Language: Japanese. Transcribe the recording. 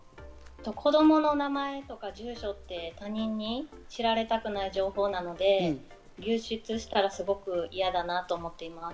子供の名前とか住所って他人に知られたくない情報なので、流出したら、すごく嫌だなと思っています。